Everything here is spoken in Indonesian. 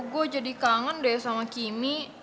gue jadi kangen deh sama kimmy